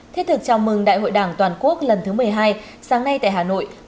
thiết thực chào mừng đại hội đảng toàn quốc lần thứ một mươi hai sáng nay tại hà nội